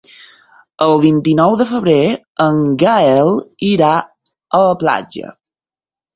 El vint-i-nou de febrer en Gaël irà a la platja.